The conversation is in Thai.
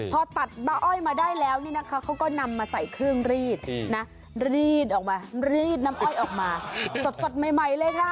พอตัดบ้าอ้อยมาได้แล้วนี่นะคะเขาก็นำมาใส่เครื่องรีดนะรีดออกมารีดน้ำอ้อยออกมาสดใหม่เลยค่ะ